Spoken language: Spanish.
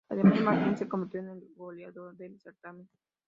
Además Martínez se convirtió en el goleador del certamen.